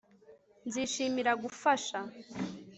nzishimira gufasha